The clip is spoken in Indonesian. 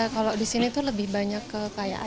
kalau di sini tuh lebih banyak kekayaan